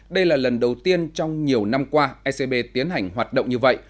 đây là lần đầu tiên trong nhiều năm qua ecb tiến hành hoạt động như vậy